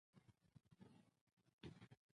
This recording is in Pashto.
زه د پخوانیو تمدنونو هنرونه مطالعه کوم.